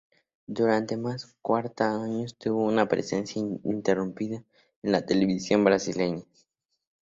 Durante más de cuarenta años tuvo una presencia ininterrumpida en la televisión brasileña.